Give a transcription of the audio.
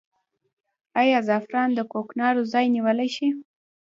آیا زعفران د کوکنارو ځای نیولی شي؟